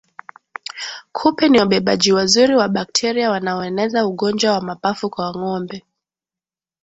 Kupe ni wabebaji wazuri wa bakteria wanaoeneza ugonjwa wa mapafu kwa ngombe